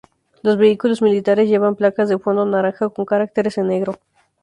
Los vehículos militares llevan placas de fondo naranja con caracteres en negro.